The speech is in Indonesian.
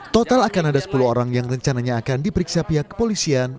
total akan ada sepuluh orang yang rencananya akan diperiksa pihak kepolisian